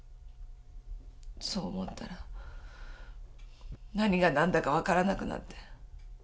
そう思ったら何がなんだかわからなくなって。